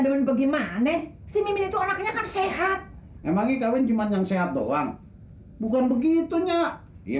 gimana sih itu orangnya sehat emang dikawin cuman yang sehat doang bukan begitunya ya